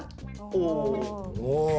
おお。